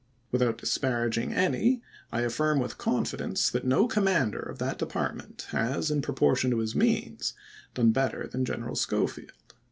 Without disparaging any, I affirm with confidence that no commander of that Department has, in proportion to his means, done better than General Schofield.